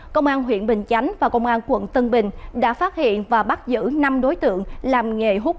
công an huyện bình chánh và công an quận tân bình đã phát hiện và bắt giữ năm đối tượng làm nghề hút